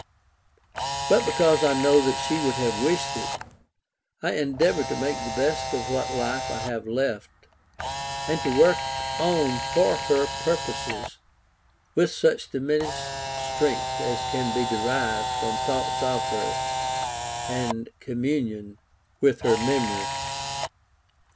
But because I know that she would have wished it, I endeavour to make the best of what life I have left, and to work on for her purposes with such diminished strength as can be derived from thoughts of her, and communion with her memory.